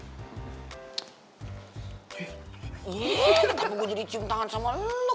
gak mau gue jadi cium tangan sama lo